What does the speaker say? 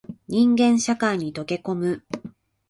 人間社会に溶け込む